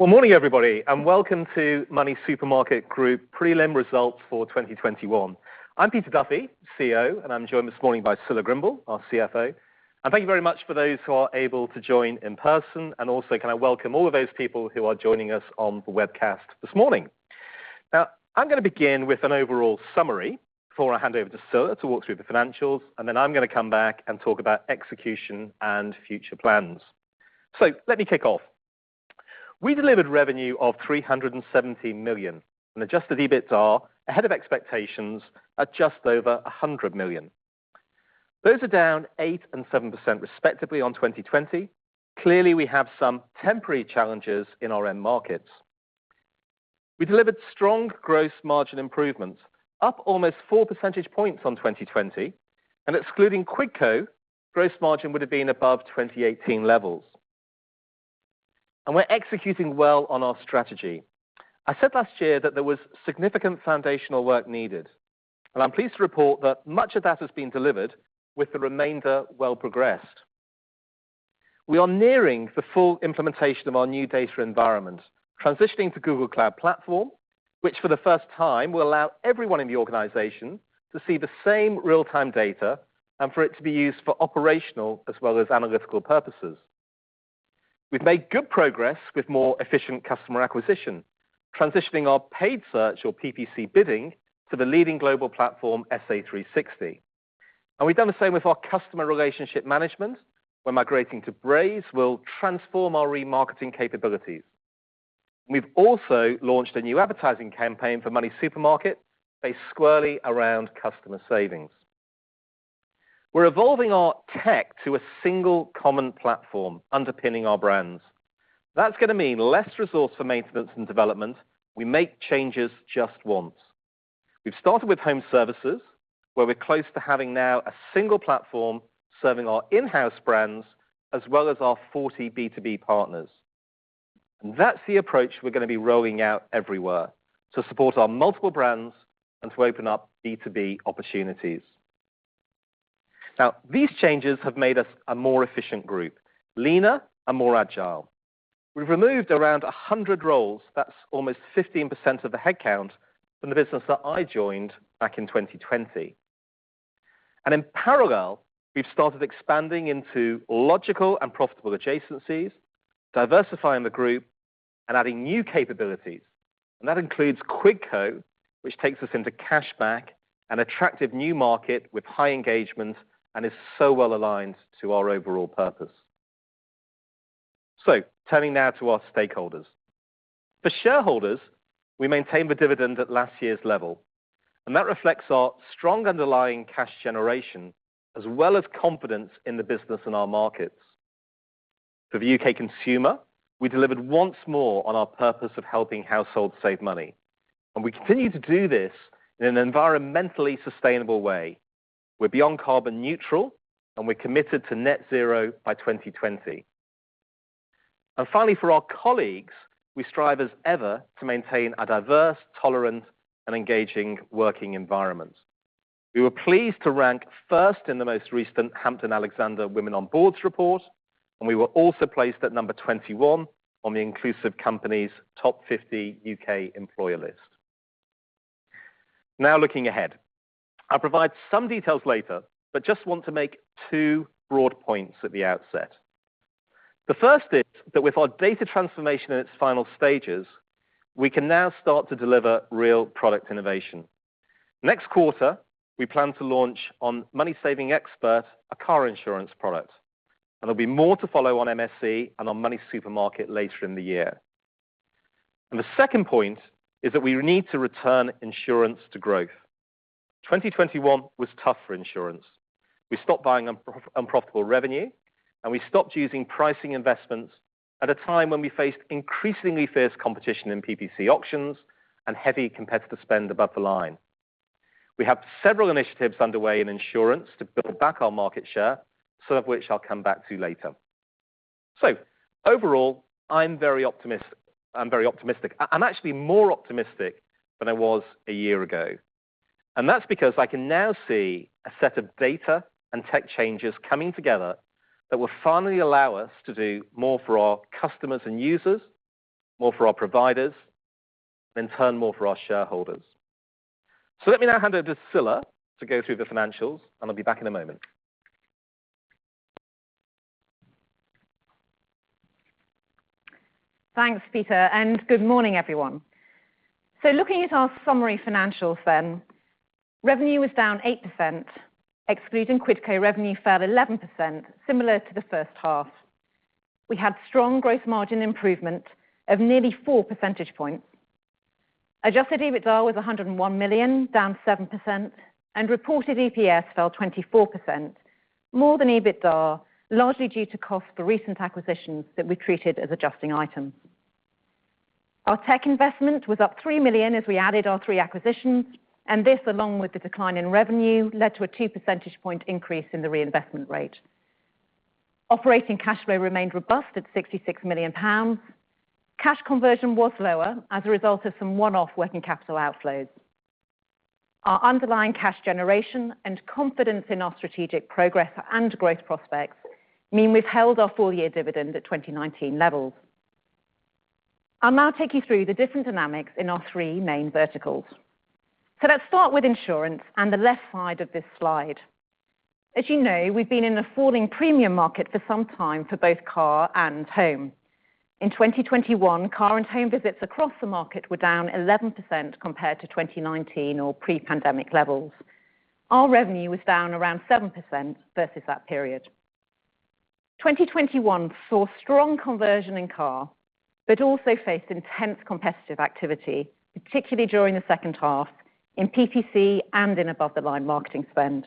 Good morning, everybody, and welcome to MoneySuperMarket Group prelim results for 2021. I'm Peter Duffy, CEO, and I'm joined this morning by Scilla Grimble, our CFO. Thank you very much for those who are able to join in person. Also, can I welcome all of those people who are joining us on the webcast this morning. Now, I'm gonna begin with an overall summary before I hand over to Scilla to walk through the financials, and then I'm gonna come back and talk about execution and future plans. Let me kick off. We delivered revenue of 370 million, and adjusted EBITDA ahead of expectations at just over 100 million. Those are down 8% and 7% respectively on 2020. Clearly, we have some temporary challenges in our end markets. We delivered strong gross margin improvements, up almost 4 percentage points on 2020, and excluding Quidco, gross margin would have been above 2018 levels. We're executing well on our strategy. I said last year that there was significant foundational work needed, and I'm pleased to report that much of that has been delivered with the remainder well progressed. We are nearing the full implementation of our new data environment, transitioning to Google Cloud Platform, which for the first time will allow everyone in the organization to see the same real-time data and for it to be used for operational as well as analytical purposes. We've made good progress with more efficient customer acquisition, transitioning our paid search or PPC bidding to the leading global platform, SA360. We've done the same with our customer relationship management. We're migrating to Braze, which will transform our remarketing capabilities. We've also launched a new advertising campaign for MoneySuperMarket, based squarely around customer savings. We're evolving our tech to a single common platform underpinning our brands. That's gonna mean less resource for maintenance and development. We make changes just once. We've started with home services, where we're close to having now a single platform serving our in-house brands as well as our 40 B2B partners. That's the approach we're gonna be rolling out everywhere to support our multiple brands and to open up B2B opportunities. Now, these changes have made us a more efficient group, leaner and more agile. We've removed around 100 roles, that's almost 15% of the headcount, from the business that I joined back in 2020. In parallel, we've started expanding into logical and profitable adjacencies, diversifying the group and adding new capabilities. That includes Quidco, which takes us into cashback, an attractive new market with high engagement and is so well aligned to our overall purpose. Turning now to our stakeholders. For shareholders, we maintain the dividend at last year's level, and that reflects our strong underlying cash generation as well as confidence in the business and our markets. For the U.K. consumer, we delivered once more on our purpose of helping households save money, and we continue to do this in an environmentally sustainable way. We're beyond carbon neutral, and we're committed to net zero by 2020. Finally, for our colleagues, we strive as ever to maintain a diverse, tolerant, and engaging working environment. We were pleased to rank first in the most recent Hampton-Alexander Women on Boards report, and we were also placed at number 21 on the Inclusive Companies Top 50 U.K. Employers list. Now looking ahead. I'll provide some details later, but just want to make two broad points at the outset. The first is that with our data transformation in its final stages, we can now start to deliver real product innovation. Next quarter, we plan to launch on MoneySavingExpert a car insurance product, and there'll be more to follow on MSE and on MoneySuperMarket later in the year. The second point is that we need to return insurance to growth. 2021 was tough for insurance. We stopped buying unprofitable revenue, and we stopped using pricing investments at a time when we faced increasingly fierce competition in PPC auctions and heavy competitive spend above the line. We have several initiatives underway in insurance to build back our market share, some of which I'll come back to later. Overall, I'm very optimistic. I'm actually more optimistic than I was a year ago. That's because I can now see a set of data and tech changes coming together that will finally allow us to do more for our customers and users, more for our providers, in turn more for our shareholders. Let me now hand over to Scilla to go through the financials, and I'll be back in a moment. Thanks, Peter, and good morning everyone. Looking at our summary financials then, revenue was down 8%, excluding Quidco revenue fell 11%, similar to the first half. We had strong growth margin improvement of nearly 4 percentage points. Adjusted EBITDA was 101 million, down 7%, and reported EPS fell 24%. More than EBITDA, largely due to cost for recent acquisitions that we treated as adjusting items. Our tech investment was up 3 million as we added our three acquisitions, and this, along with the decline in revenue, led to a 2 percentage point increase in the reinvestment rate. Operating cash flow remained robust at 66 million pounds. Cash conversion was lower as a result of some one-off working capital outflows. Our underlying cash generation and confidence in our strategic progress and growth prospects mean we've held our full-year dividend at 2019 levels. I'll now take you through the different dynamics in our three main verticals. Let's start with insurance and the left side of this slide. As you know, we've been in a falling premium market for some time for both car and home. In 2021, car and home visits across the market were down 11% compared to 2019 or pre-pandemic levels. Our revenue was down around 7% versus that period. 2021 saw strong conversion in car, but also faced intense competitive activity, particularly during the second half in PPC and in above-the-line marketing spend.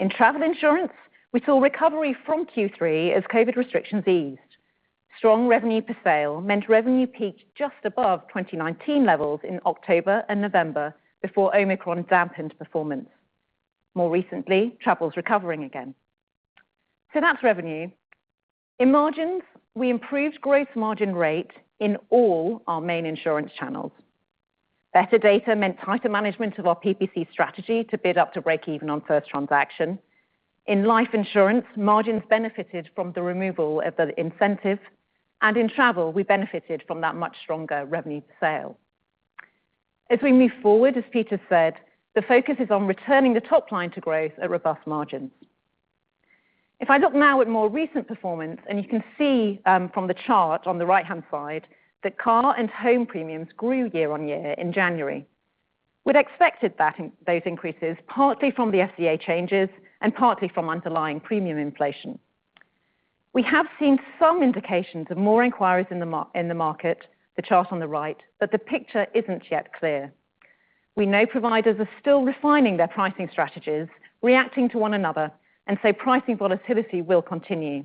In travel insurance, we saw recovery from Q3 as COVID-19 restrictions eased. Strong revenue per sale meant revenue peaked just above 2019 levels in October and November before Omicron dampened performance. More recently, travel is recovering again. That's revenue. In margins, we improved gross margin rate in all our main insurance channels. Better data meant tighter management of our PPC strategy to bid up to break even on first transaction. In life insurance, margins benefited from the removal of the incentive, and in travel, we benefited from that much stronger revenue per sale. As we move forward, as Peter said, the focus is on returning the top line to growth at robust margins. If I look now at more recent performance, and you can see from the chart on the right-hand side that car and home premiums grew year-on-year in January. We'd expected that those increases, partly from the FCA changes and partly from underlying premium inflation. We have seen some indications of more inquiries in the market, the chart on the right, but the picture isn't yet clear. We know providers are still refining their pricing strategies, reacting to one another, and so pricing volatility will continue.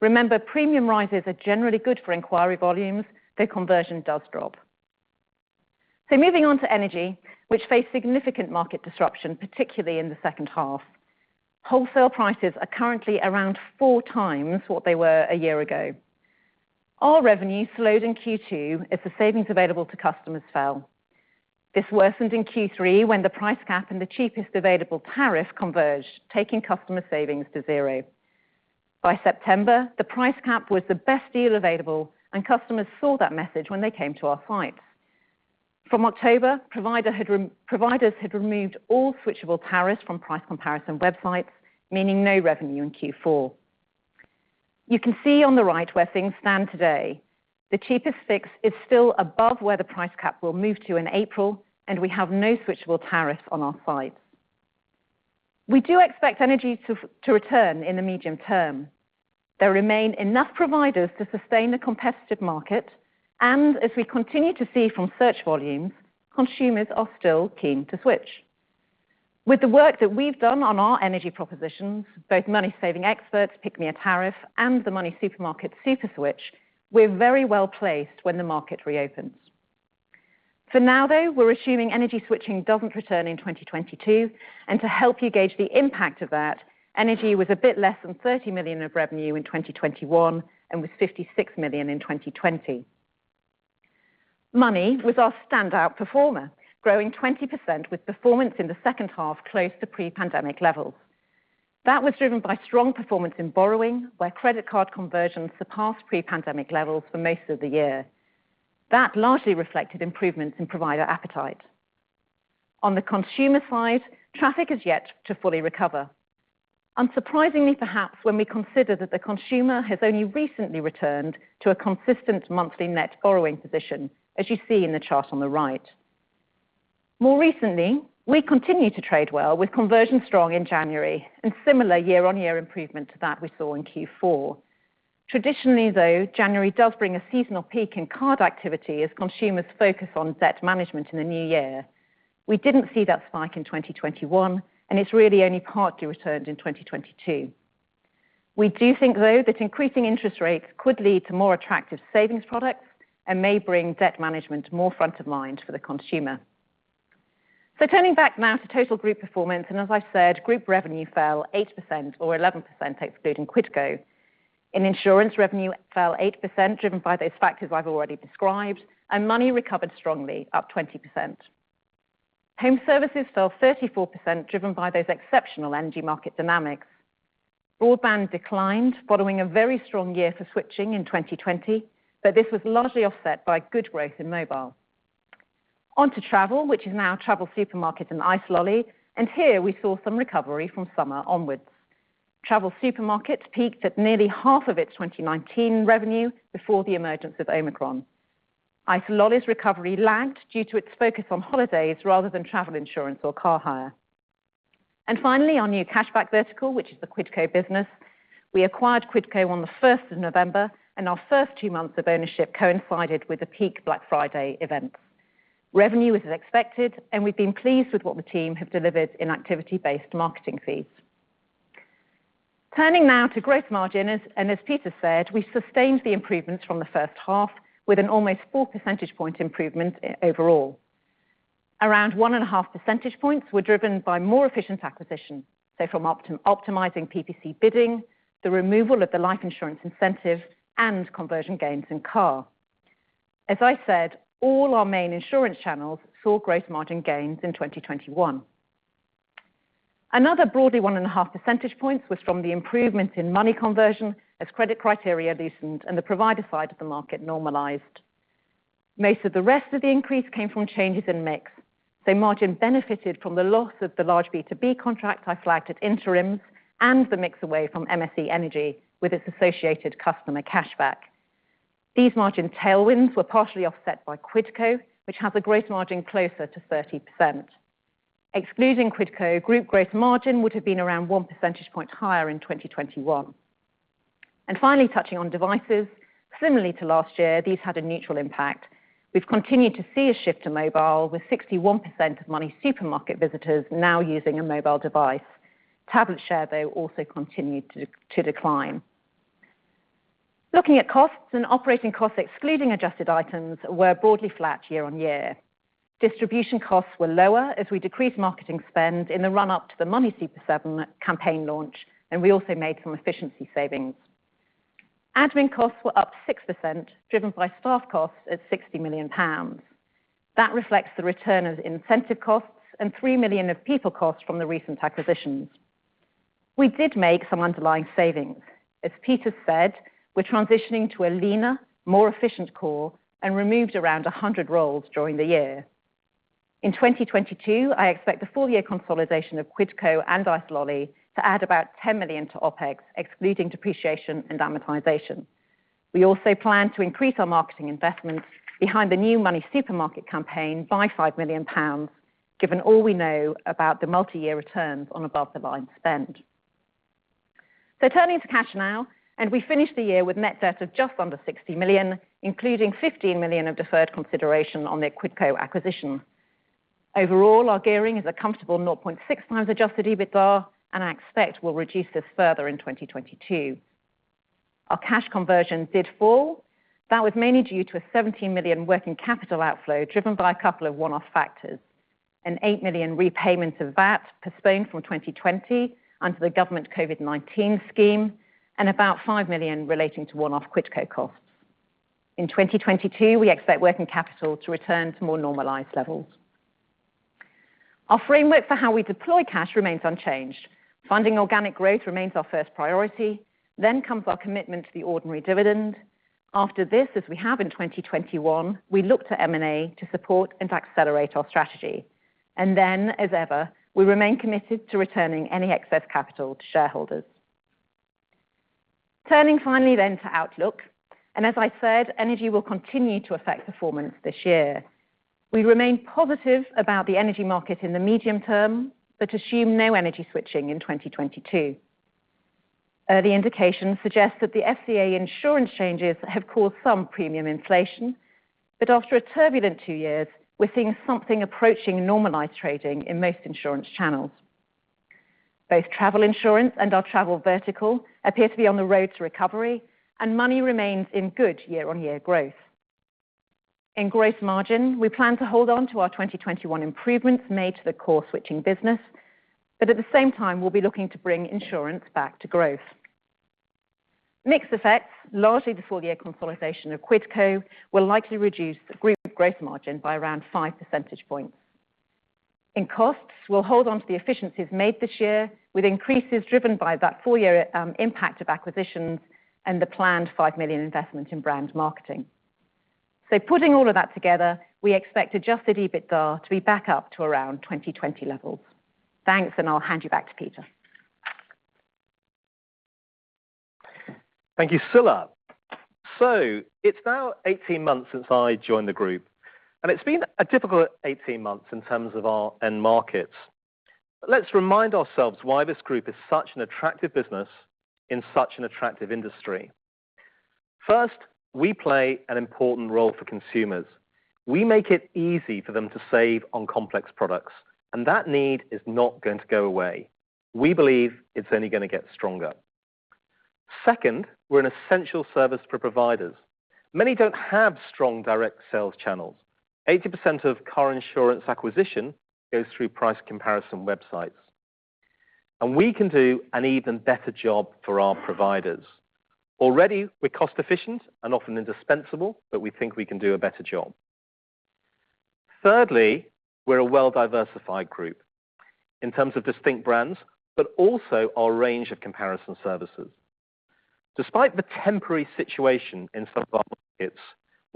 Remember, premium rises are generally good for inquiry volumes, their conversion does drop. Moving on to energy, which faced significant market disruption, particularly in the second half. Wholesale prices are currently around four times what they were a year ago. Our revenue slowed in Q2 as the savings available to customers fell. This worsened in Q3 when the price cap and the cheapest available tariff converged, taking customer savings to zero. By September, the price cap was the best deal available, and customers saw that message when they came to our site. From October, providers had removed all switchable tariffs from price comparison websites, meaning no revenue in Q4. You can see on the right where things stand today. The cheapest fix is still above where the price cap will move to in April, and we have no switchable tariffs on our site. We do expect energy to return in the medium term. There remain enough providers to sustain a competitive market, and as we continue to see from search volumes, consumers are still keen to switch. With the work that we've done on our energy propositions, both MoneySavingExpert's Pick Me A Tariff and the MoneySuperMarket Super Switch, we're very well-placed when the market reopens. For now, though, we're assuming energy switching doesn't return in 2022, and to help you gauge the impact of that, energy was a bit less than 30 million of revenue in 2021 and was 56 million in 2020. Money was our standout performer, growing 20% with performance in the second half close to pre-pandemic levels. That was driven by strong performance in borrowing, where credit card conversions surpassed pre-pandemic levels for most of the year. That largely reflected improvements in provider appetite. On the consumer side, traffic has yet to fully recover. Unsurprisingly, perhaps when we consider that the consumer has only recently returned to a consistent monthly net borrowing position, as you see in the chart on the right. More recently, we continue to trade well with conversion strong in January and similar year-on-year improvement to that we saw in Q4. Traditionally, though, January does bring a seasonal peak in card activity as consumers focus on debt management in the new year. We didn't see that spike in 2021, and it's really only partly returned in 2022. We do think, though, that increasing interest rates could lead to more attractive savings products and may bring debt management more front of mind for the consumer. Turning back now to total group performance, and as I said, group revenue fell 8% or 11%, excluding Quidco. Insurance revenue fell 8%, driven by those factors I've already described, and Money recovered strongly, up 20%. Home services fell 34%, driven by those exceptional energy market dynamics. Broadband declined following a very strong year for switching in 2020, but this was largely offset by good growth in mobile. On to travel, which is now TravelSupermarket and icelolly, and here we saw some recovery from summer onwards. TravelSupermarket peaked at nearly half of its 2019 revenue before the emergence of Omicron. Icelolly's recovery lagged due to its focus on holidays rather than travel insurance or car hire. Finally, our new cashback vertical, which is the Quidco business. We acquired Quidco on the first of November, and our first two months of ownership coincided with the peak Black Friday event. Revenue was as expected, and we've been pleased with what the team have delivered in activity-based marketing fees. Turning now to gross margin, as Peter said, we sustained the improvements from the first half with an almost 4 percentage point improvement overall. Around 1.5 percentage points were driven by more efficient acquisition, so from optimizing PPC bidding, the removal of the life insurance incentive, and conversion gains in car. As I said, all our main insurance channels saw gross margin gains in 2021. Broadly 1.5 percentage points was from the improvement in money conversion as credit criteria loosened and the provider side of the market normalized. Most of the rest of the increase came from changes in mix. The margin benefited from the loss of the large B2B contract I flagged at interim and the mix away from MSE Energy with its associated customer cashback. These margin tailwinds were partially offset by Quidco, which has a gross margin closer to 30%. Excluding Quidco, group gross margin would have been around 1 percentage point higher in 2021. Finally, touching on devices, similarly to last year, these had a neutral impact. We've continued to see a shift to mobile with 61% of MoneySuperMarket visitors now using a mobile device. Tablet share, though, also continued to decline. Looking at costs and operating costs excluding adjusted items were broadly flat year-on-year. Distribution costs were lower as we decreased marketing spend in the run-up to the MoneySuperSeven campaign launch, and we also made some efficiency savings. Admin costs were up 6%, driven by staff costs at 60 million pounds. That reflects the return of incentive costs and 3 million of people costs from the recent acquisitions. We did make some underlying savings. As Peter said, we're transitioning to a leaner, more efficient core and removed around 100 roles during the year. In 2022, I expect the full year consolidation of Quidco and icelolly to add about 10 million to OpEx, excluding depreciation and amortization. We also plan to increase our marketing investments behind the new MoneySuperMarket campaign by 5 million pounds, given all we know about the multi-year returns on above-the-line spend. Turning to cash now, and we finished the year with net debt of just under 60 million, including 15 million of deferred consideration on the Quidco acquisition. Overall, our gearing is a comfortable 0.6x adjusted EBITDA, and I expect we'll reduce this further in 2022. Our cash conversion did fall. That was mainly due to a 17 million working capital outflow driven by a couple of one-off factors, an 8 million repayments of that postponed from 2020 under the government COVID-19 scheme and about 5 million relating to one-off Quidco costs. In 2022, we expect working capital to return to more normalized levels. Our framework for how we deploy cash remains unchanged. Funding organic growth remains our first priority, then comes our commitment to the ordinary dividend. After this, as we have in 2021, we look to M&A to support and to accelerate our strategy. As ever, we remain committed to returning any excess capital to shareholders. Turning finally to outlook, as I said, energy will continue to affect performance this year. We remain positive about the energy market in the medium term, but assume no energy switching in 2022. Early indications suggest that the FCA insurance changes have caused some premium inflation, but after a turbulent two years, we're seeing something approaching normalized trading in most insurance channels. Both travel insurance and our travel vertical appear to be on the road to recovery and money remains in good year-on-year growth. In gross margin, we plan to hold on to our 2021 improvements made to the core switching business, but at the same time, we'll be looking to bring insurance back to growth. Mix effects, largely the full year consolidation of Quidco, will likely reduce group gross margin by around 5 percentage points. In costs, we'll hold on to the efficiencies made this year with increases driven by that full year impact of acquisitions and the planned 5 million investment in brand marketing. Putting all of that together, we expect adjusted EBITDA to be back up to around 2020 levels. Thanks, and I'll hand you back to Peter. Thank you, Scilla. It's now 18 months since I joined the group, and it's been a difficult 18 months in terms of our end markets. Let's remind ourselves why this group is such an attractive business in such an attractive industry. First, we play an important role for consumers. We make it easy for them to save on complex products, and that need is not going to go away. We believe it's only gonna get stronger. Second, we're an essential service for providers. Many don't have strong direct sales channels. 80% of car insurance acquisition goes through price comparison websites. We can do an even better job for our providers. Already, we're cost efficient and often indispensable, but we think we can do a better job. Thirdly, we're a well-diversified group in terms of distinct brands, but also our range of comparison services. Despite the temporary situation in some of our markets,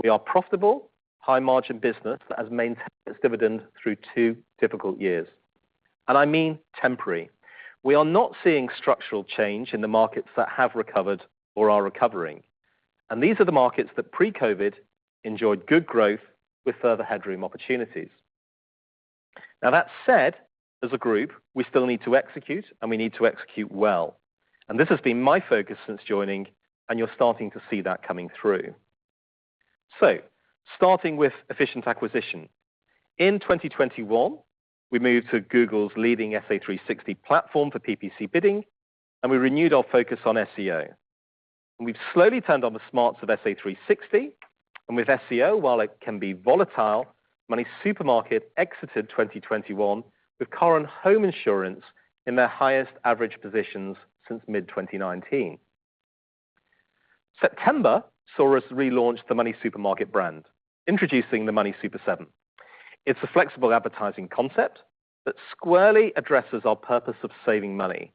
we are profitable, high-margin business that has maintained its dividend through two difficult years. I mean temporary. We are not seeing structural change in the markets that have recovered or are recovering. These are the markets that pre-COVID enjoyed good growth with further headroom opportunities. Now that said, as a group, we still need to execute, and we need to execute well. This has been my focus since joining, and you're starting to see that coming through. Starting with efficient acquisition. In 2021, we moved to Google's leading SA360 platform for PPC bidding, and we renewed our focus on SEO. We've slowly turned on the smarts of SA360, and with SEO, while it can be volatile. MoneySuperMarket exited 2021 with current home insurance in their highest average positions since mid-2019. September saw us relaunch the MoneySuperMarket brand, introducing the MoneySuperSeven. It's a flexible advertising concept that squarely addresses our purpose of saving money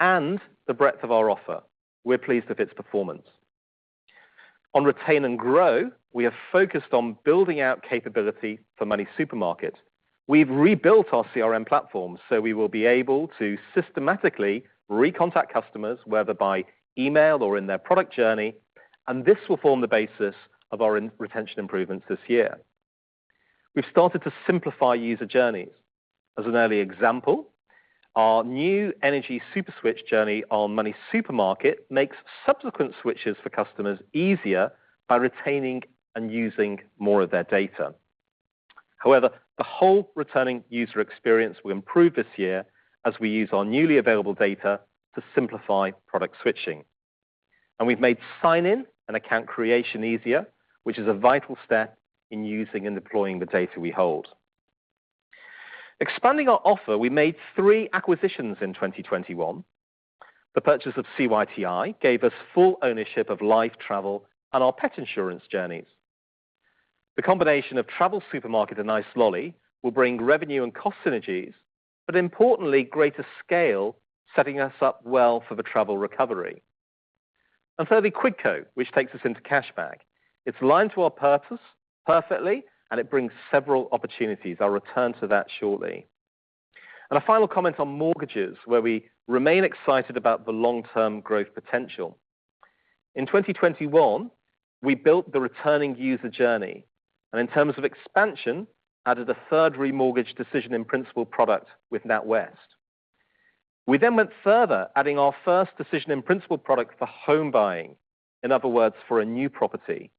and the breadth of our offer. We're pleased with its performance. On retain and grow, we have focused on building out capability for MoneySuperMarket. We've rebuilt our CRM platform, so we will be able to systematically recontact customers, whether by email or in their product journey, and this will form the basis of our retention improvements this year. We've started to simplify user journeys. As an early example, our new energy Super Switch journey on MoneySuperMarket makes subsequent switches for customers easier by retaining and using more of their data. However, the whole returning user experience will improve this year as we use our newly available data to simplify product switching. We've made sign in and account creation easier, which is a vital step in using and deploying the data we hold. Expanding our offer, we made three acquisitions in 2021. The purchase of CYTI gave us full ownership of life travel and our pet insurance journeys. The combination of TravelSupermarket and icelolly will bring revenue and cost synergies, but importantly, greater scale, setting us up well for the travel recovery. Thirdly, Quidco, which takes us into cashback. It's aligned to our purpose perfectly, and it brings several opportunities. I'll return to that shortly. A final comment on mortgages, where we remain excited about the long-term growth potential. In 2021, we built the returning user journey, and in terms of expansion, added a third remortgage decision in principal product with NatWest. We went further, adding our first decision in principal product for home buying, in other words, for a new property.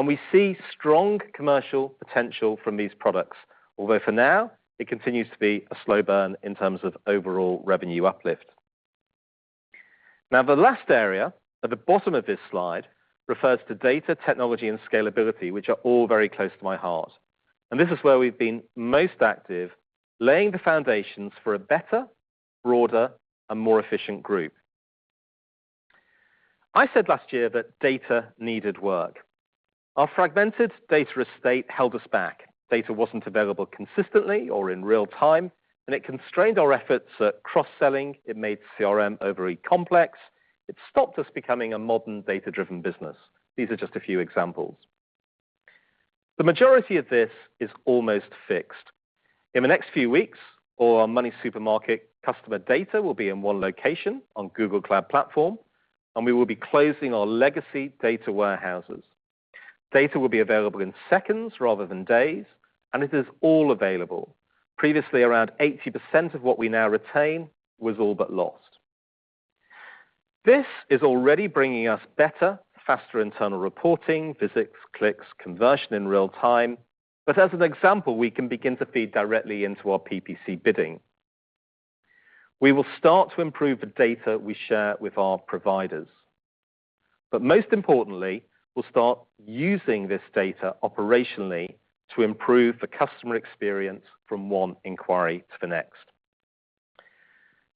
We see strong commercial potential from these products. Although for now, it continues to be a slow burn in terms of overall revenue uplift. Now the last area at the bottom of this slide refers to data technology and scalability, which are all very close to my heart. This is where we've been most active, laying the foundations for a better, broader, and more efficient group. I said last year that data needed work. Our fragmented data estate held us back. Data wasn't available consistently or in real time, and it constrained our efforts at cross-selling. It made CRM overly complex. It stopped us becoming a modern data-driven business. These are just a few examples. The majority of this is almost fixed. In the next few weeks, all our MoneySuperMarket customer data will be in one location on Google Cloud Platform, and we will be closing our legacy data warehouses. Data will be available in seconds rather than days, and it is all available. Previously, around 80% of what we now retain was all but lost. This is already bringing us better, faster internal reporting, visits, clicks, conversion in real time. But as an example, we can begin to feed directly into our PPC bidding. We will start to improve the data we share with our providers. Most importantly, we'll start using this data operationally to improve the customer experience from one inquiry to the next.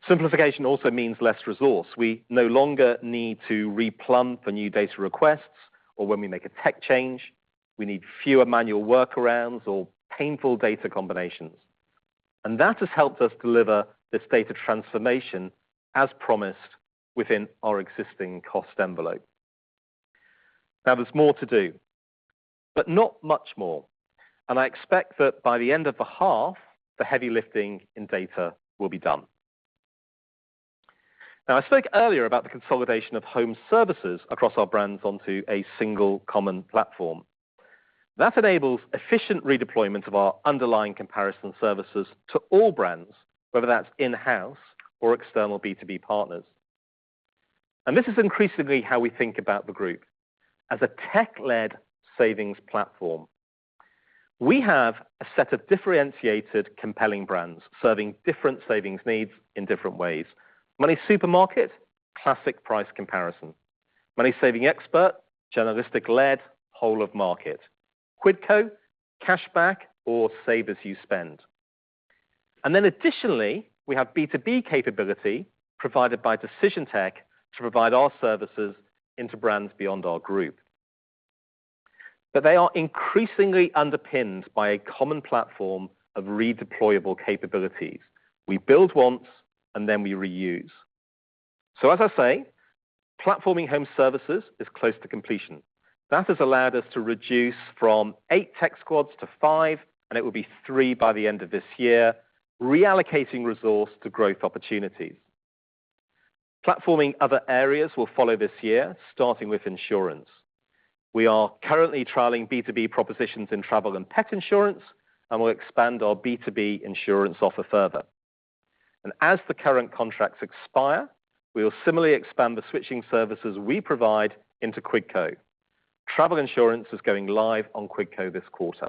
Simplification also means less resource. We no longer need to replumb for new data requests or when we make a tech change. We need fewer manual workarounds or painful data combinations. That has helped us deliver this data transformation as promised within our existing cost envelope. Now there's more to do, but not much more. I expect that by the end of the half, the heavy lifting in data will be done. Now I spoke earlier about the consolidation of home services across our brands onto a single common platform. That enables efficient redeployment of our underlying comparison services to all brands, whether that's in-house or external B2B partners. This is increasingly how we think about the group, as a tech-led savings platform. We have a set of differentiated, compelling brands serving different savings needs in different ways. MoneySuperMarket, classic price comparison. MoneySavingExpert, journalistic-led, whole of market. Quidco, cashback or save as you spend. Additionally, we have B2B capability provided by Decision Tech to provide our services into brands beyond our group. They are increasingly underpinned by a common platform of redeployable capabilities. We build once, and then we reuse. As I say, platforming home services is close to completion. That has allowed us to reduce from eight tech squads to five, and it will be three by the end of this year, reallocating resource to growth opportunities. Platforming other areas will follow this year, starting with insurance. We are currently trialing B2B propositions in travel and pet insurance, and we'll expand our B2B insurance offer further. As the current contracts expire, we will similarly expand the switching services we provide into Quidco. Travel insurance is going live on Quidco this quarter.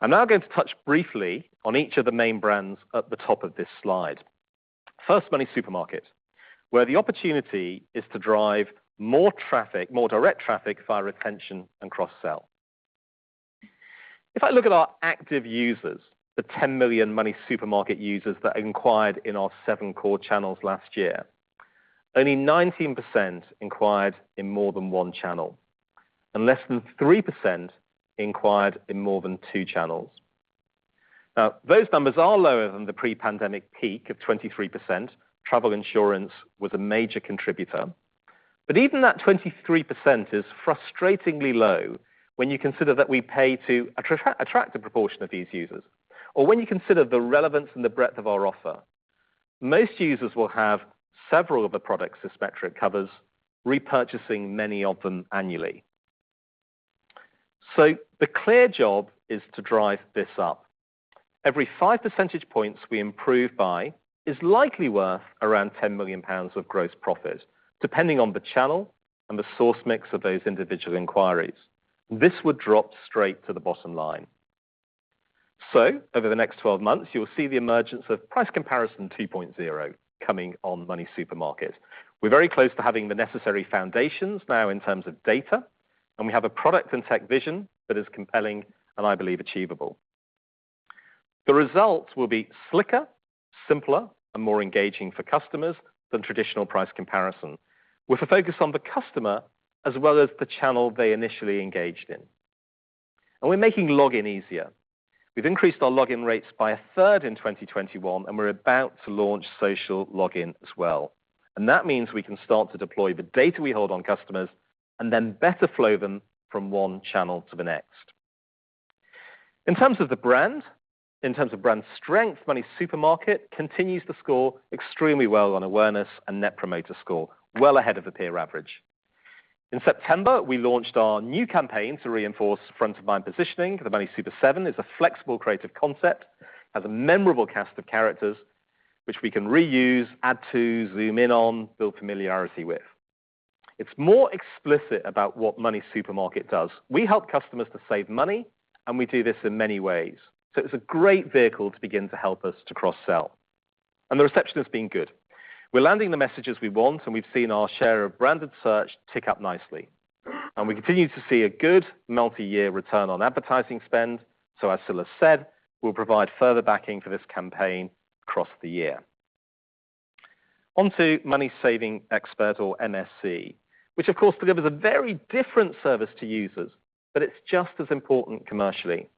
I'm now going to touch briefly on each of the main brands at the top of this slide. First, MoneySuperMarket, where the opportunity is to drive more traffic, more direct traffic via retention and cross-sell. If I look at our active users, the 10 million MoneySuperMarket users that inquired in our seven core channels last year, only 19% inquired in more than one channel and less than 3% inquired in more than two channels. Now, those numbers are lower than the pre-pandemic peak of 23%. Travel insurance was a major contributor. Even that 23% is frustratingly low when you consider that we pay to attract a proportion of these users, or when you consider the relevance and the breadth of our offer. Most users will have several of the products the spectrum covers, repurchasing many of them annually. The clear job is to drive this up. Every 5 percentage points we improve by is likely worth around 10 million pounds of gross profit, depending on the channel and the source mix of those individual inquiries. This would drop straight to the bottom line. Over the next 12 months, you will see the emergence of price comparison 2.0 coming on MoneySuperMarket. We're very close to having the necessary foundations now in terms of data, and we have a product and tech vision that is compelling and I believe achievable. The results will be slicker, simpler, and more engaging for customers than traditional price comparison, with a focus on the customer as well as the channel they initially engaged in. We're making login easier. We've increased our login rates by a third in 2021, and we're about to launch social login as well. That means we can start to deploy the data we hold on customers and then better flow them from one channel to the next. In terms of the brand, in terms of brand strength, MoneySuperMarket continues to score extremely well on awareness and Net Promoter Score, well ahead of the peer average. In September, we launched our new campaign to reinforce front-of-mind positioning. The MoneySuperSeven is a flexible creative concept, has a memorable cast of characters which we can reuse, add to, zoom in on, build familiarity with. It's more explicit about what Money Supermarket does. We help customers to save money, and we do this in many ways. It's a great vehicle to begin to help us to cross-sell. The reception has been good. We're landing the messages we want, and we've seen our share of branded search tick up nicely. We continue to see a good multi-year return on advertising spend. As Scilla said, we'll provide further backing for this campaign across the year. On to Money Saving Expert or MSE, which of course delivers a very different service to users, but it's just as important commercially.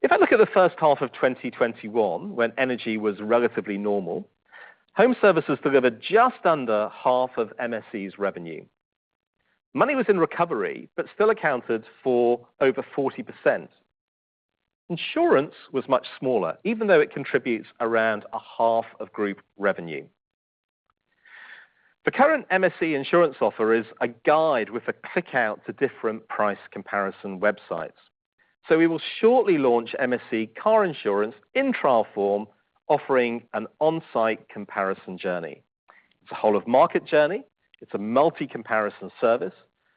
If I look at the first half of 2021, when energy was relatively normal, home services delivered just under half of MSE's revenue. Money was in recovery, but still accounted for over 40%. Insurance was much smaller, even though it contributes around a half of group revenue. The current MSC insurance offer is a guide with a click out to different price comparison websites. We will shortly launch MSC car insurance in trial form, offering an on-site comparison journey. It's a whole of market journey. It's a multi-comparison service,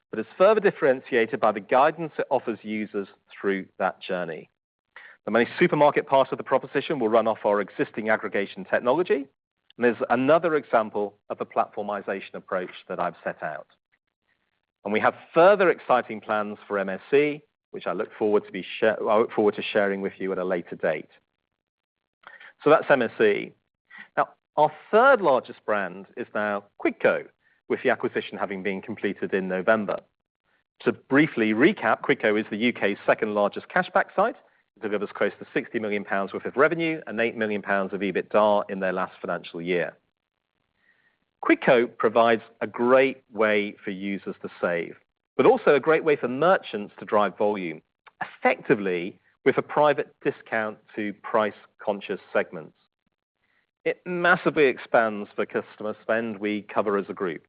but it's further differentiated by the guidance it offers users through that journey. The MoneySuperMarket part of the proposition will run off our existing aggregation technology, and is another example of the platformization approach that I've set out. We have further exciting plans for MSC, which I look forward to sharing with you at a later date. That's MSC. Now, our third-largest brand is now Quidco, with the acquisition having been completed in November. To briefly recap, Quidco is the U.K.'s second-largest cashback site. It delivers close to 60 million pounds worth of revenue and 8 million pounds of EBITDA in their last financial year. Quidco provides a great way for users to save, but also a great way for merchants to drive volume effectively with a private discount to price-conscious segments. It massively expands the customer spend we cover as a group.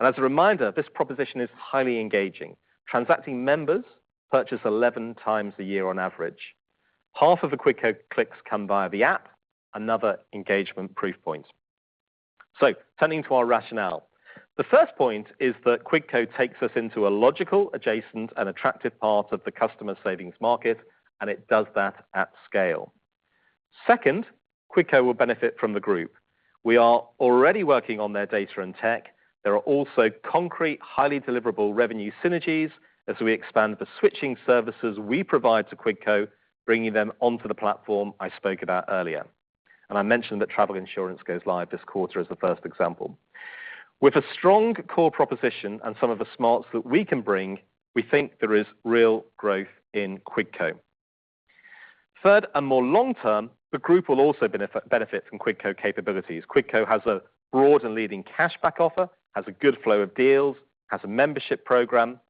As a reminder, this proposition is highly engaging. Transacting members purchase 11 times a year on average. Half of the Quidco clicks come via the app, another engagement proof point. Turning to our rationale. The first point is that Quidco takes us into a logical, adjacent and attractive part of the customer savings market, and it does that at scale. Second, Quidco will benefit from the group. We are already working on their data and tech. There are also concrete, highly deliverable revenue synergies as we expand the switching services we provide to Quidco, bringing them onto the platform I spoke about earlier. I mentioned that travel insurance goes live this quarter as the first example. With a strong core proposition and some of the smarts that we can bring, we think there is real growth in Quidco. Third, and more long term, the group will also benefit from Quidco capabilities. Quidco has a broad and leading cashback offer, has a good flow of deals, has a membership program.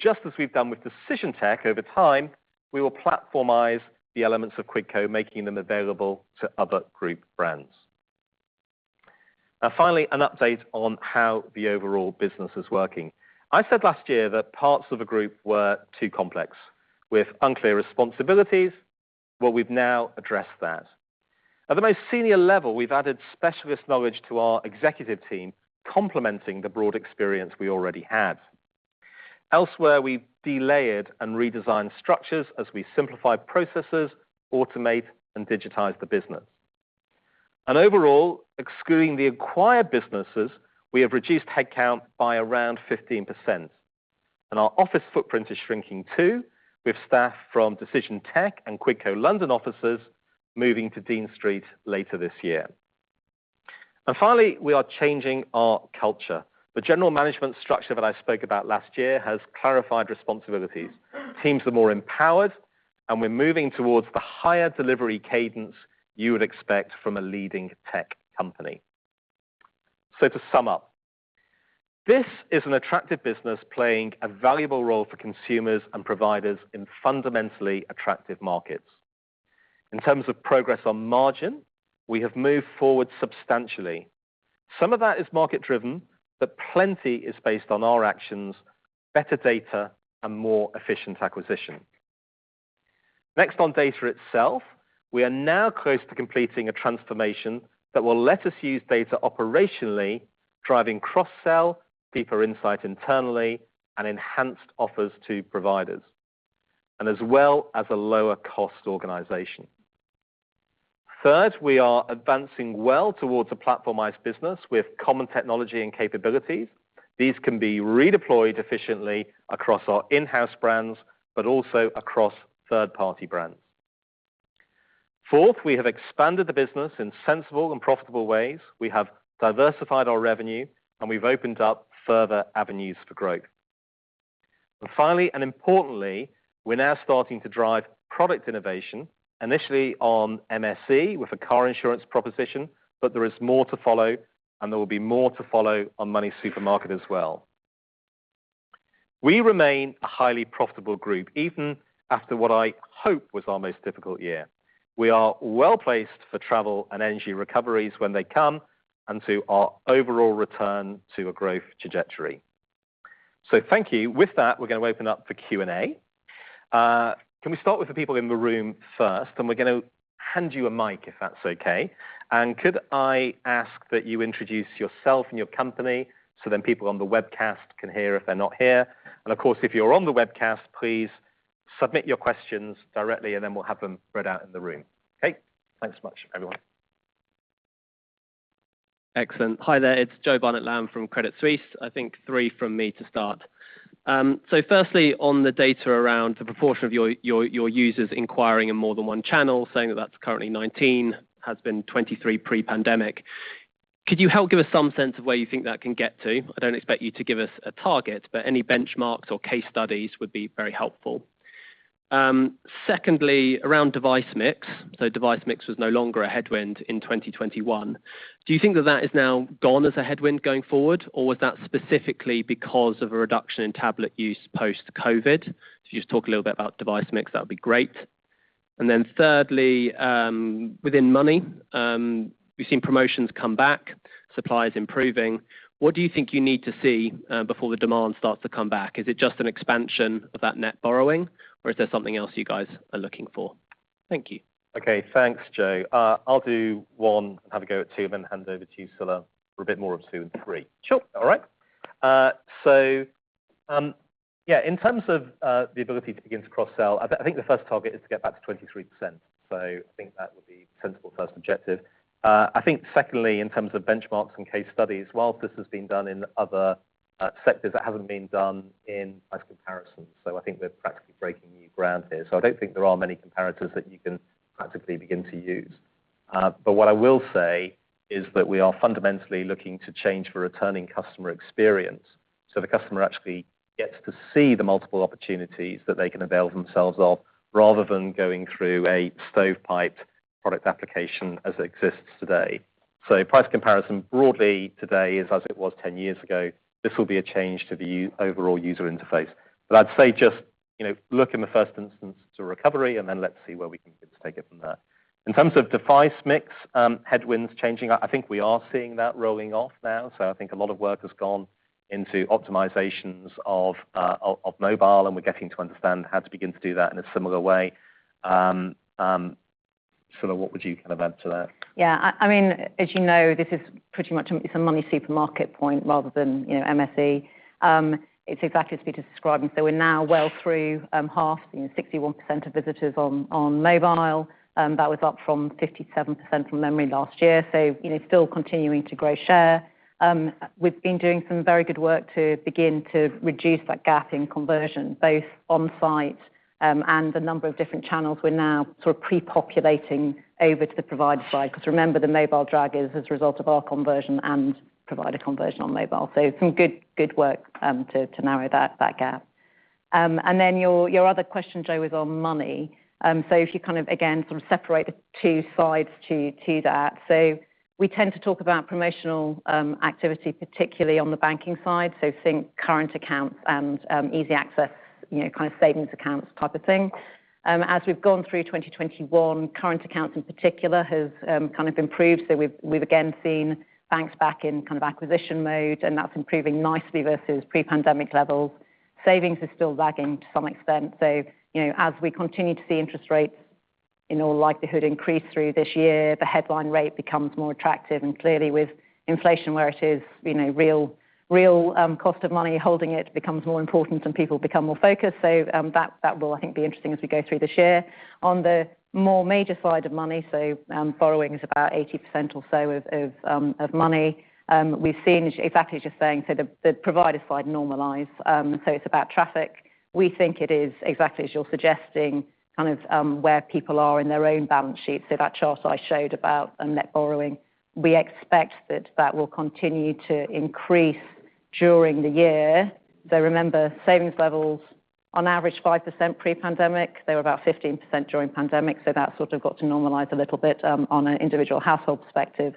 Just as we've done with Decision Tech over time, we will platformize the elements of Quidco, making them available to other group brands. Now finally, an update on how the overall business is working. I said last year that parts of the group were too complex with unclear responsibilities. Well, we've now addressed that. At the most senior level, we've added specialist knowledge to our executive team, complementing the broad experience we already have. Elsewhere, we've delayered and redesigned structures as we simplify processes, automate, and digitize the business. Overall, excluding the acquired businesses, we have reduced headcount by around 15%. Our office footprint is shrinking too, with staff from Decision Tech and Quidco London offices moving to Dean Street later this year. Finally, we are changing our culture. The general management structure that I spoke about last year has clarified responsibilities. Teams are more empowered, and we're moving towards the higher delivery cadence you would expect from a leading tech company. To sum up, this is an attractive business playing a valuable role for consumers and providers in fundamentally attractive markets. In terms of progress on margin, we have moved forward substantially. Some of that is market-driven, but plenty is based on our actions, better data, and more efficient acquisition. Next on data itself, we are now close to completing a transformation that will let us use data operationally, driving cross-sell, deeper insight internally, and enhanced offers to providers, and as well as a lower cost organization. Third, we are advancing well towards a platformized business with common technology and capabilities. These can be redeployed efficiently across our in-house brands, but also across third-party brands. Fourth, we have expanded the business in sensible and profitable ways. We have diversified our revenue, and we've opened up further avenues for growth. Finally, and importantly, we're now starting to drive product innovation, initially on MSE with a car insurance proposition, but there is more to follow, and there will be more to follow on MoneySuperMarket as well. We remain a highly profitable group, even after what I hope was our most difficult year. We are well-placed for travel and energy recoveries when they come, and to our overall return to a growth trajectory. Thank you. With that, we're going to open up for Q&A. Can we start with the people in the room first? We're gonna hand you a mic, if that's okay. Could I ask that you introduce yourself and your company so then people on the webcast can hear if they're not here. Of course, if you're on the webcast, please submit your questions directly, and then we'll have them read out in the room. Okay? Thanks so much, everyone. Excellent. Hi there. It's Joseph Barnet-Lamb from Credit Suisse. I think three from me to start. Firstly, on the data around the proportion of your users inquiring in more than one channel, saying that that's currently 19, has been 23 pre-pandemic. Could you help give us some sense of where you think that can get to? I don't expect you to give us a target, but any benchmarks or case studies would be very helpful. Secondly, around device mix. Device mix was no longer a headwind in 2021. Do you think that is now gone as a headwind going forward? Or was that specifically because of a reduction in tablet use post-COVID? If you just talk a little bit about device mix, that would be great. Thirdly, within Money, we've seen promotions come back, supply is improving. What do you think you need to see before the demand starts to come back? Is it just an expansion of that net borrowing, or is there something else you guys are looking for? Thank you. Okay. Thanks, Joe. I'll do one. I'll have a go at two, and then hand over to you, Scilla, for a bit more of two and three. Sure. All right. Yeah, in terms of the ability to begin to cross-sell, I think the first target is to get back to 23%. I think that would be sensible first objective. I think secondly, in terms of benchmarks and case studies, while this has been done in other sectors, that haven't been done in price comparison. I think we're practically breaking new ground here. I don't think there are many comparators that you can practically begin to use. What I will say is that we are fundamentally looking to change the returning customer experience. The customer actually gets to see the multiple opportunities that they can avail themselves of rather than going through a stovepiped product application as it exists today. Price comparison broadly today is as it was 10 years ago. This will be a change to the overall user interface. I'd say just, you know, look in the first instance to recovery, and then let's see where we can take it from there. In terms of device mix, headwinds changing, I think we are seeing that rolling off now. I think a lot of work has gone into optimizations of mobile, and we're getting to understand how to begin to do that in a similar way. Scilla, what would you kind of add to that? Yeah. I mean, as you know, this is pretty much a MoneySuperMarket point rather than, you know, MSE. It's exactly as Peter described. We're now well through half, you know, 61% of visitors on mobile. That was up from 57% from memory last year. You know, still continuing to grow share. We've been doing some very good work to begin to reduce that gap in conversion, both on-site and the number of different channels we're now sort of pre-populating over to the provider side. Because remember, the mobile drag is as a result of our conversion and provider conversion on mobile. Some good work to narrow that gap. Then your other question, Joe, is on Money. If you kind of, again, sort of separate the two sides to that. We tend to talk about promotional activity, particularly on the banking side. Think current accounts and easy access, you know, kind of savings accounts type of thing. As we've gone through 2021, current accounts in particular have kind of improved. We've again seen banks back in kind of acquisition mode, and that's improving nicely versus pre-pandemic levels. Savings are still lagging to some extent. You know, as we continue to see interest rates in all likelihood increase through this year, the headline rate becomes more attractive. Clearly with inflation where it is, you know, cost of money, holding it becomes more important and people become more focused. That will, I think, be interesting as we go through this year. On the more major side of money, borrowing is about 80% or so of money. We've seen exactly as you're saying, the provider side normalize, it's about traffic. We think it is exactly as you're suggesting kind of where people are in their own balance sheet. That chart I showed about a net borrowing, we expect that will continue to increase during the year. Remember, savings levels on average 5% pre-pandemic, they were about 15% during pandemic. That sort of got to normalize a little bit on an individual household perspective.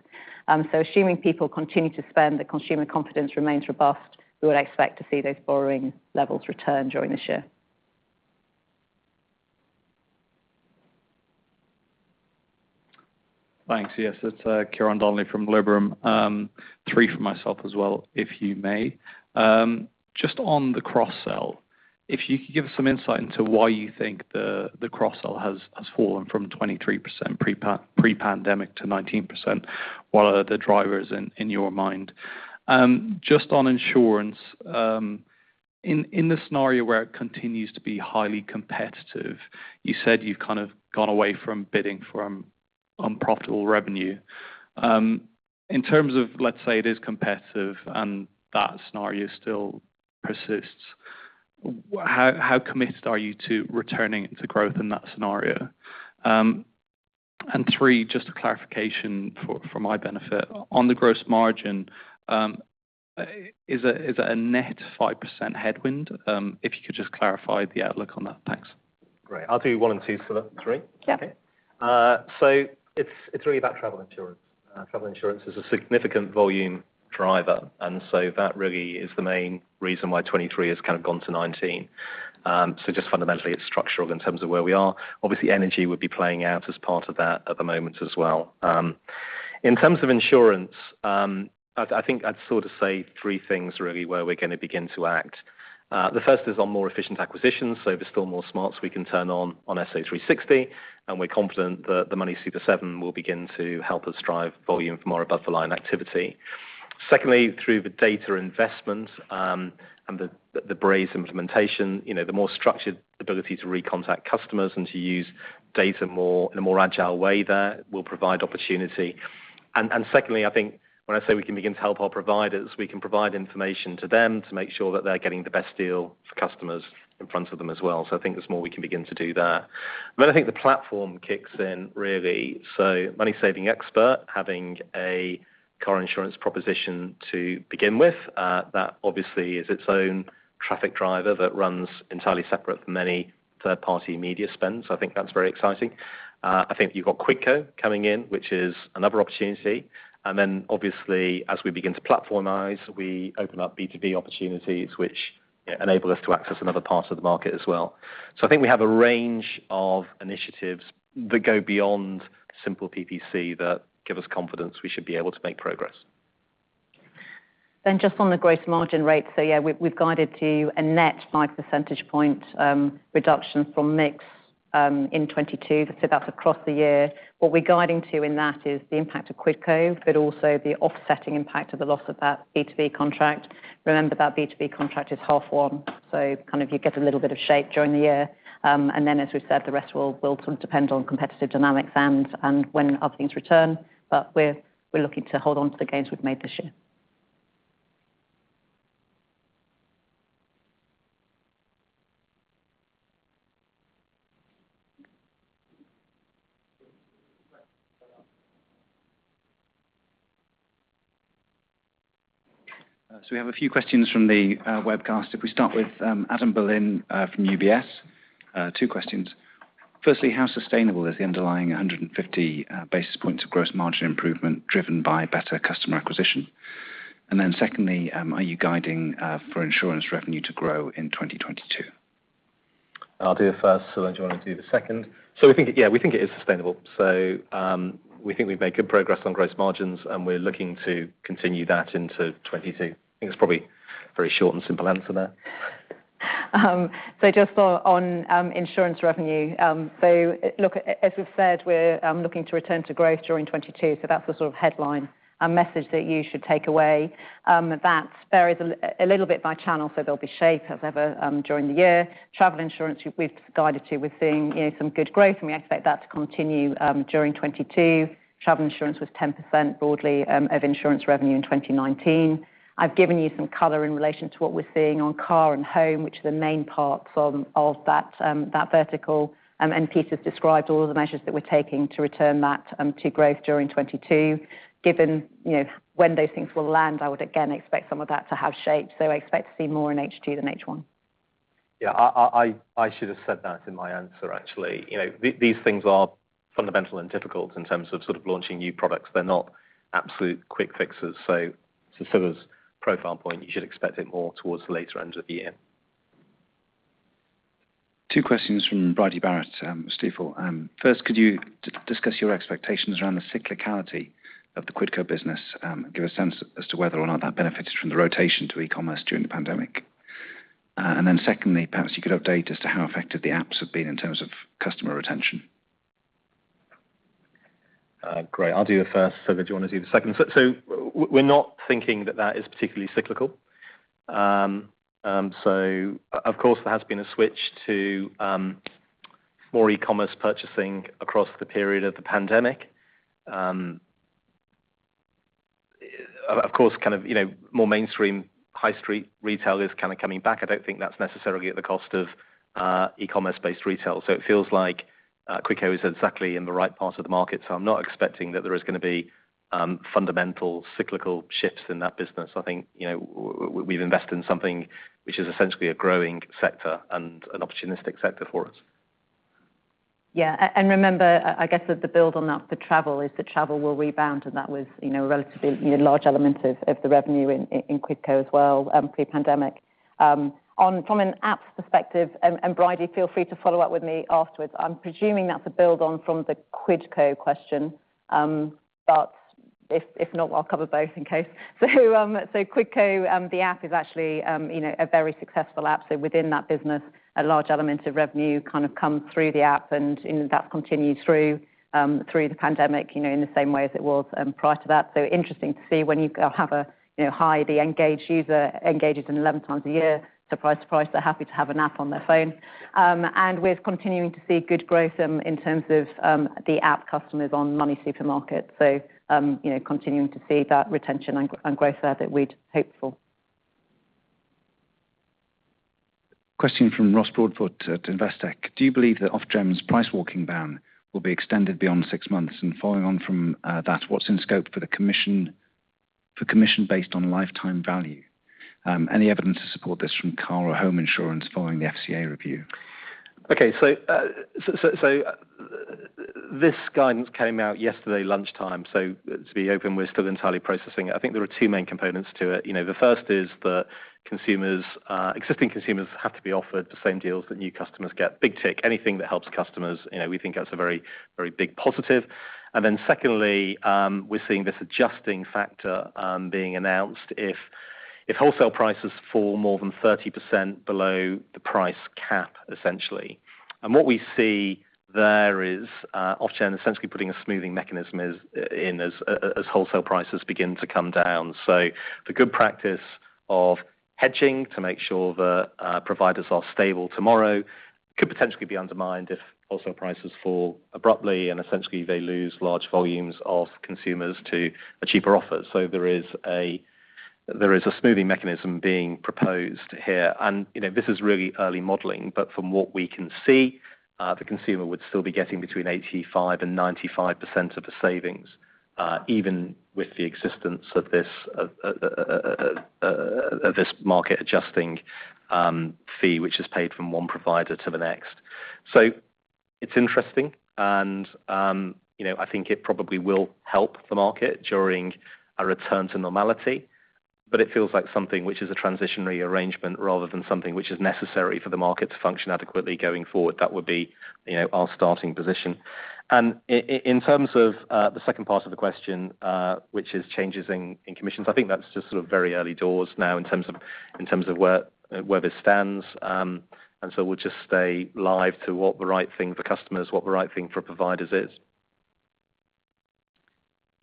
Assuming people continue to spend, the consumer confidence remains robust. We would expect to see those borrowing levels return during this year. Thanks. Yes, it's Ciarán Donnelly from Liberum. Three for myself as well, if you may. Just on the cross sell, if you could give us some insight into why you think the cross sell has fallen from 23% pre-pandemic to 19%. What are the drivers in your mind? Just on insurance, in the scenario where it continues to be highly competitive, you said you've kind of gone away from bidding from unprofitable revenue. In terms of, let's say it is competitive and that scenario still persists, how committed are you to returning it to growth in that scenario? And three, just a clarification for my benefit. On the gross margin, is it a net 5% headwind? If you could just clarify the outlook on that. Thanks. Great. I'll do one and two, Sil, three. Yeah. Okay. It's really about travel insurance. Travel insurance is a significant volume driver, and so that really is the main reason why 23 has kind of gone to 19. Just fundamentally it's structural in terms of where we are. Obviously, energy would be playing out as part of that at the moment as well. In terms of insurance, I think I'd sort of say three things really where we're gonna begin to act. The first is on more efficient acquisitions. There's still more smarts we can turn on SA360, and we're confident that the MoneySuperSeven will begin to help us drive volume for more above the line activity. Secondly, through the data investment and the Braze implementation, you know, the more structured ability to recontact customers and to use data more in a more agile way there will provide opportunity. Secondly, I think when I say we can begin to help our providers, we can provide information to them to make sure that they're getting the best deal for customers in front of them as well. I think there's more we can begin to do there. Then I think the platform kicks in really. MoneySavingExpert having a car insurance proposition to begin with, that obviously is its own traffic driver that runs entirely separate from any third-party media spend. I think that's very exciting. I think you've got Quidco coming in, which is another opportunity. Obviously as we begin to platformize, we open up B2B opportunities which enable us to access another part of the market as well. I think we have a range of initiatives that go beyond simple PPC that give us confidence we should be able to make progress. Just on the gross margin rate. Yeah, we've guided to a net 5 percentage point reduction from mix in 2022. That's across the year. What we're guiding to in that is the impact of Quidco, but also the offsetting impact of the loss of that B2B contract. Remember that B2B contract is H1, so you get a little bit of shape during the year. As we've said, the rest will sort of depend on competitive dynamics and when other things return. We're looking to hold on to the gains we've made this year. We have a few questions from the webcast. If we start with Adam Berlin from UBS. Two questions. Firstly, how sustainable is the underlying 150 basis points of gross margin improvement driven by better customer acquisition? And then secondly, are you guiding for insurance revenue to grow in 2022? I'll do the first. Sil, do you want to do the second? Yeah, we think it is sustainable. We think we've made good progress on gross margins, and we're looking to continue that into 2022. I think it's probably very short and simple answer there. Just on insurance revenue. Look, as we've said, we're looking to return to growth during 2022. That's the sort of headline message that you should take away. That varies a little bit by channel, so there'll be shape as ever during the year. Travel insurance we've guided to. We're seeing, you know, some good growth, and we expect that to continue during 2022. Travel insurance was 10% broadly of insurance revenue in 2019. I've given you some color in relation to what we're seeing on car and home, which are the main parts of that vertical. Peter's described all of the measures that we're taking to return that to growth during 2022. Given, you know, when those things will land, I would again expect some of that to have shape. I expect to see more in H2 than H1. Yeah, I should have said that in my answer, actually. You know, these things are fundamental and difficult in terms of sort of launching new products. They're not absolute quick fixes. To Sil's profile point, you should expect it more towards the later end of the year. Two questions from Bridie Barrett, Stifel. First, could you discuss your expectations around the cyclicality of the Quidco business, give a sense as to whether or not that benefits from the rotation to e-commerce during the pandemic? And then secondly, perhaps you could update us to how effective the apps have been in terms of customer retention. Great. I'll do the first. Scilla, do you wanna do the second? We're not thinking that is particularly cyclical. Of course, there has been a switch to more e-commerce purchasing across the period of the pandemic. Of course, kind of, you know, more mainstream high street retail is kind of coming back. I don't think that's necessarily at the cost of e-commerce-based retail. It feels like Quidco is exactly in the right part of the market. I'm not expecting that there is gonna be fundamental cyclical shifts in that business. I think, you know, we've invested in something which is essentially a growing sector and an opportunistic sector for us. Remember, I guess, that the build on that for travel is that travel will rebound, and that was, you know, a relatively, you know, large element of the revenue in Quidco as well, pre-pandemic. From an app perspective, and Bridie, feel free to follow up with me afterwards. I'm presuming that's a build on from the Quidco question, but if not, I'll cover both in case. Quidco, the app is actually, you know, a very successful app. Within that business, a large element of revenue kind of come through the app, and, you know, that's continued through the pandemic, you know, in the same way as it was prior to that. Interesting to see when you have a, you know, highly engaged user engages in 11 times a year. Surprise, surprise, they're happy to have an app on their phone. We're continuing to see good growth in terms of the app customers on MoneySuperMarket. You know, continuing to see that retention and growth there that we'd hoped for. Question from Ross Broadfoot at Investec. Do you believe that Ofgem's price-walking ban will be extended beyond six months? Following on from that, what's in scope for commission based on lifetime value? Any evidence to support this from car or home insurance following the FCA review? This guidance came out yesterday lunchtime, so to be open, we're still entirely processing it. I think there are two main components to it. You know, the first is that consumers, existing consumers have to be offered the same deals that new customers get. Big tick. Anything that helps customers, you know, we think that's a very, very big positive. Secondly, we're seeing this adjusting factor being announced if wholesale prices fall more than 30% below the price cap, essentially. What we see there is Ofgem essentially putting a smoothing mechanism in as wholesale prices begin to come down. The good practice of hedging to make sure the providers are stable tomorrow could potentially be undermined if wholesale prices fall abruptly and essentially they lose large volumes of consumers to a cheaper offer. There is a smoothing mechanism being proposed here. You know, this is really early modeling, but from what we can see, the consumer would still be getting between 85% and 95% of the savings, even with the existence of this market adjusting fee which is paid from one provider to the next. It's interesting and, you know, I think it probably will help the market during a return to normality, but it feels like something which is a transitionary arrangement rather than something which is necessary for the market to function adequately going forward. That would be, you know, our starting position. In terms of the second part of the question, which is changes in commissions, I think that's just sort of very early doors now in terms of where this stands. We'll just stay alive to what the right thing for customers, what the right thing for providers is.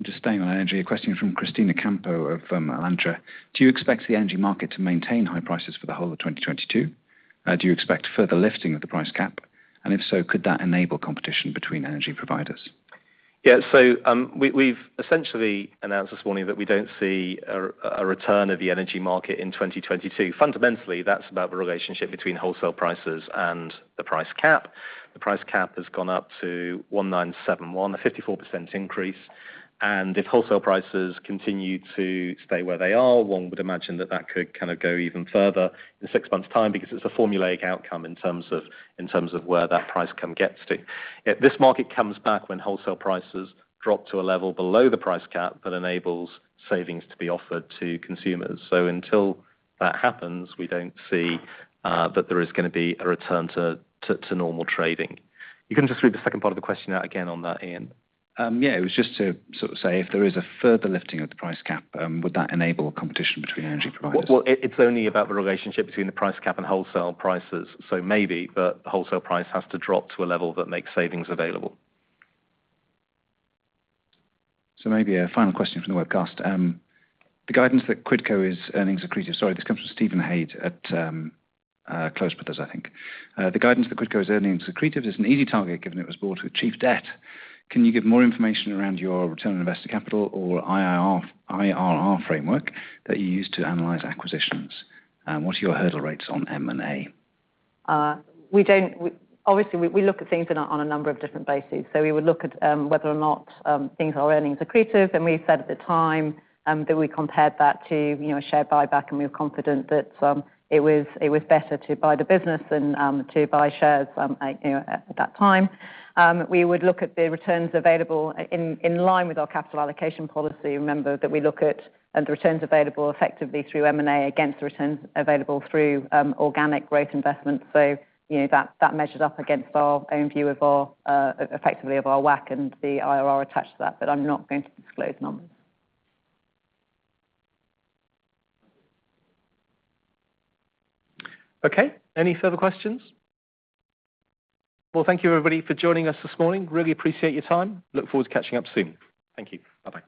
Just staying on energy, a question from Cristina Campo from Alantra. Do you expect the energy market to maintain high prices for the whole of 2022? Do you expect further lifting of the price cap? And if so, could that enable competition between energy providers? Yeah. We've essentially announced this morning that we don't see a return of the energy market in 2022. Fundamentally, that's about the relationship between wholesale prices and the price cap. The price cap has gone up to 1,971, a 54% increase. If wholesale prices continue to stay where they are, one would imagine that that could kind of go even further in six months time because it's a formulaic outcome in terms of where that price cap gets to. If this market comes back when wholesale prices drop to a level below the price cap, that enables savings to be offered to consumers. Until that happens, we don't see that there is gonna be a return to normal trading. You can just read the second part of the question out again on that, Ian. Yeah. It was just to sort of say if there is a further lifting of the price cap, would that enable competition between energy providers? Well, well, it's only about the relationship between the price cap and wholesale prices. Maybe, but the wholesale price has to drop to a level that makes savings available. Maybe a final question from the webcast. Sorry, this comes from Stephen Hayte at Close Brothers, I think. The guidance that Quidco is earnings accretive is an easy target given it was bought with cheap debt. Can you give more information around your return on invested capital or IR, IRR framework that you use to analyze acquisitions? What are your hurdle rates on M&A? Obviously, we look at things in a on a number of different bases. We would look at whether or not things are earnings accretive. We said at the time that we compared that to, you know, a share buyback, and we were confident that it was better to buy the business than to buy shares, you know, at that time. We would look at the returns available in line with our capital allocation policy. Remember that we look at the returns available effectively through M&A against the returns available through organic growth investments. You know, that measured up against our own view, effectively, of our WACC and the IRR attached to that, but I'm not going to disclose numbers. Okay. Any further questions? Well, thank you, everybody, for joining us this morning. Really appreciate your time. Look forward to catching up soon. Thank you. Bye-bye.